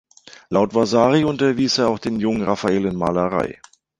Laut Vasari unterwies er auch den jungen Raffael in Malerei.